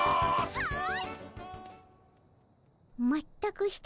はい！